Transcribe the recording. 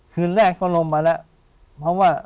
คืนแรกก็ลงมาแล้วเพราะว่า